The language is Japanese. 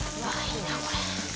いいなこれ。